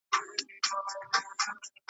چرګ چي ځوان سي پر بام ورو ورو ځي .